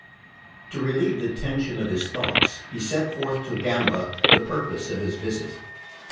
To relieve the tension of his thoughts he set forth to Gamba the purpose of his visit.